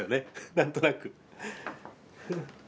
何となく。